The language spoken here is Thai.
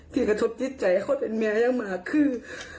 ที่กระชบจิตใจข้อเป็นแม่ยังมาคือ